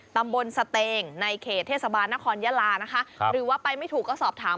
ตำบลสเตงในเขตเทศบาลนครยาลานะคะหรือว่าไปไม่ถูกก็สอบถาม